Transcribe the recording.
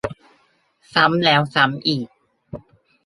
ซ้ำแล้วซ้ำอีก